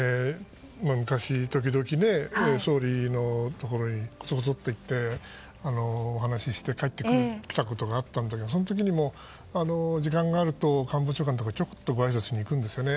昔、時々総理のところにこそこそと行ってお話して帰ってきたことがあったんですがその時にも時間があると官房長官のところにちょこっとごあいさつしに行くんですね。